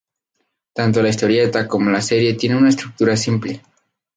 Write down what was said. Tanto la historieta como la serie tienen una estructura simple.